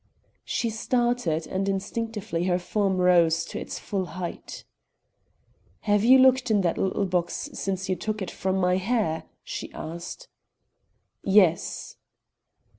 She started and instinctively her form rose to its full height. "Have you looked in that little box since you took it from my hair?" she asked. "Yes."